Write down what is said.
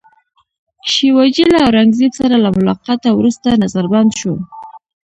شیوا جي له اورنګزېب سره له ملاقاته وروسته نظربند شو.